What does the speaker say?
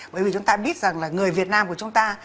bởi vì chúng ta biết rằng là người việt nam của chúng ta